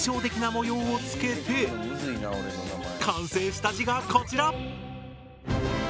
さらに完成した字がこちら。